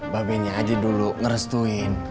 be nyerah aja dulu ngerestuin